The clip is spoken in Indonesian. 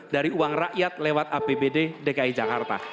dari uang rakyat lewat apbd dki jakarta